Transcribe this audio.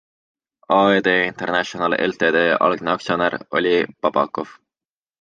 AED International Ltd algne aktsionär oli Babakov.